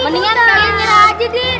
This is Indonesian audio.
mendingan pilih ini aja deh